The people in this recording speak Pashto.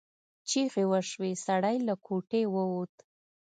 چیغې وشوې سړی له کوټې ووت.